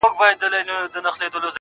صبر انسان زغمناک کوي.